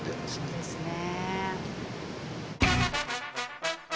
そうですね。